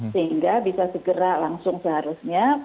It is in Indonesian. sehingga bisa segera langsung seharusnya